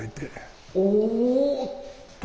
おっと。